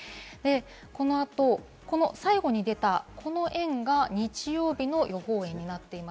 この後、最後に出たこの円が日曜日の予報円です。